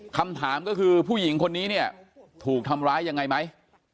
คำถามก็คือผู้หญิงคนนี้เนี่ยถูกทำร้ายยังไงไหม